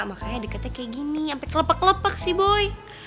makanya deketnya kayak gini sampe kelepek kelepek sih boy